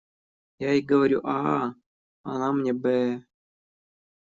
Я ей говорю «а», она мне «бэ»!